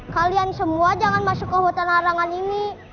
kalian semua jangan masuk ke hutan larangan ini